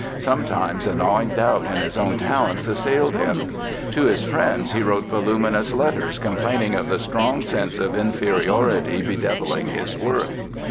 Sometimes a gnawing doubt in his own talents assailed him. To his friends he wrote voluminous letters complaining of the strong sense of inferiority bedevilling his work.